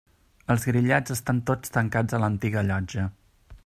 Els grillats estan tots tancats a l'antiga llotja.